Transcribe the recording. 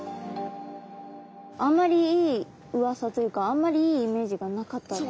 あんまりいいうわさというかあんまりいいイメージがなかったです。